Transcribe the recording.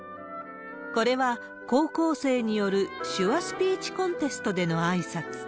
これは、高校生による手話スピーチコンテストでのあいさつ。